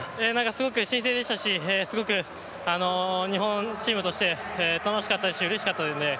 すごく新鮮でしたし、すごく日本チームとして楽しかったですし、うれしかったです。